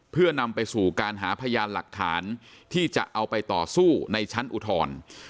เพื่อนำไปสู่การหาพยานหลักฐานที่จะเอาไปต่อสู้ในชั้นอุทธรณ์